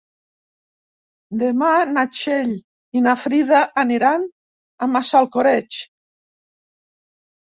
Demà na Txell i na Frida aniran a Massalcoreig.